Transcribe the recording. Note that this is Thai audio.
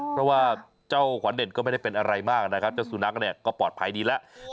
เพราะว่าเจ้าขวัญเด่นก็ไม่ได้เป็นอะไรมากนะครับเจ้าสุนัขเนี่ยก็ปลอดภัยดีแล้ว